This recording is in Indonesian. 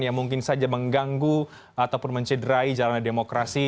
yang mungkin saja mengganggu ataupun mencederai jalannya demokrasi